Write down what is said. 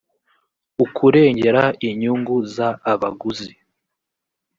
ukurengera inyungu z abaguzi